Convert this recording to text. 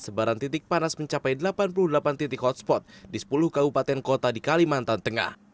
sebaran titik panas mencapai delapan puluh delapan titik hotspot di sepuluh kabupaten kota di kalimantan tengah